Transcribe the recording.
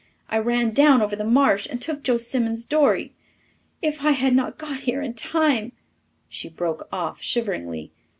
I ran down over the marsh and took Joe Simmon's dory. If I had not got here in time " She broke off shiveringly.